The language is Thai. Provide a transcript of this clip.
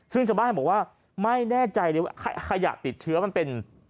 ซึ่งชาวบ้านบอกว่าไม่แน่ใจเลยว่าขยะติดเชื้อมันเป็น